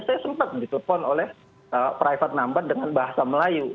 saya sempat ditelepon oleh private number dengan bahasa melayu